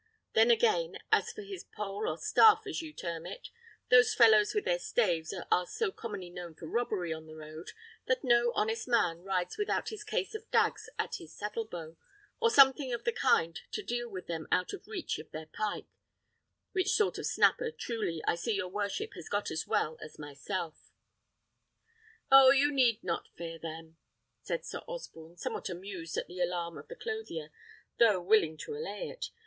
Then again, as for his pole or staff, as you term it, those fellows with their staves are so commonly known for robbery on the road, that no honest man rides without his case of dags at his saddle bow, or something of the kind to deal with them out of reach of their pike, which sort of snapper, truly, I see your worship has got as well as myself." "Oh! you need not fear them," said Sir Osborne, somewhat amused at the alarm of the clothier, though willing to allay it.